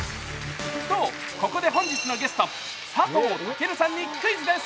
と、ここで本日のゲスト佐藤健さんにクイズです。